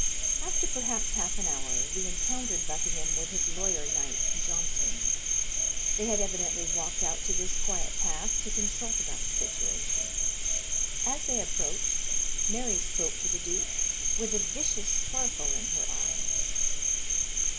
After perhaps half an hour, we encountered Buckingham with his lawyer knight, Johnson. They had evidently walked out to this quiet path to consult about the situation. As they approached, Mary spoke to the duke with a vicious sparkle in her eyes.